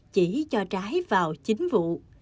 chỉ cho trái vào chính vụ